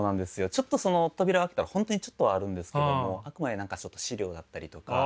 ちょっとその扉を開けたら本当にちょっとはあるんですけどもあくまで何かちょっと資料だったりとか。